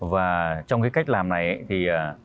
và trong cái cách làm này thì